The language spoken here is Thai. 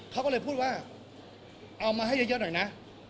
เขาก็เลยพูดว่าเอามาให้เยอะหน่อยนะ